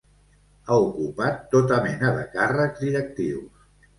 Ha ocupat tota mena de càrrecs directius.